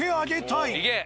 いけ！